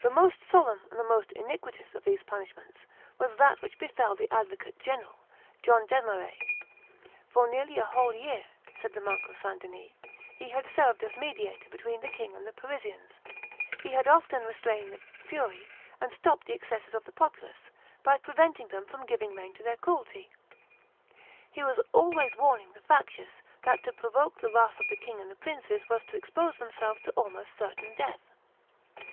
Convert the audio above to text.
The most solemn and most iniquitous of these punishments was that which befell the advocate general, John Desmarets. "For nearly a whole year," says the monk of St. Denis, "he had served as mediator between the king and the Parisians; he had often restrained the fury and stopped the excesses of the populace, by preventing them from giving rein to their cruelty. He was always warning the factious that to provoke the wrath of the king and the princes was to expose themselves to almost certain death.